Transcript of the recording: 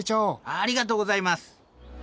ありがとうございます。